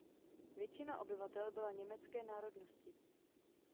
Většina obyvatel byla německé národnosti.